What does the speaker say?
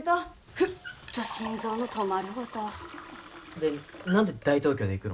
フッと心臓の止まるごたあで何で大東京で行くの？